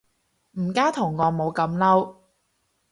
唔加圖案冇咁嬲